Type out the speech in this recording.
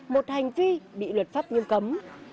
một hành vi bị luật pháp nghiêm cấm